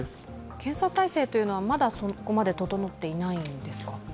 検査体制というのは、まだそこまで整ってないんですか？